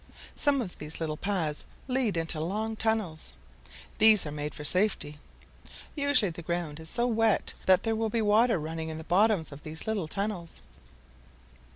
Some of these little paths lead into long tunnels. These are made for safety. Usually the ground is so wet that there will be water running in the bottoms of these little tunnels."